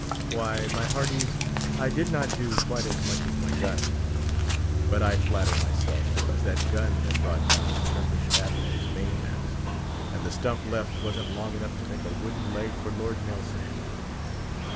"Why, my hearties, I did not do quite as much as my gun. But I flatter myself it was that gun that brought clown the Turkish Admiral's main mast; and the stump left wasn't long enough to make a wooden leg for Lord Nelson."